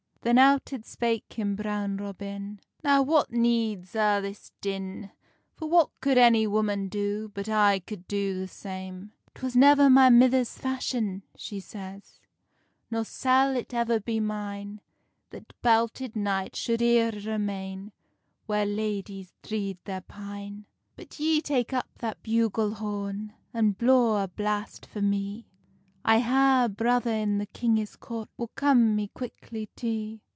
Then out it spake him, Brown Robin: "Now what needs a' this din? For what coud any woman do But I coud do the same?" "Twas never my mither's fashion," she says, "Nor sall it ever be mine, That belted knights shoud eer remain Where ladies dreed their pine. "But ye take up that bugle horn, An blaw a blast for me; I ha a brother i the kingis court Will come me quickly ti."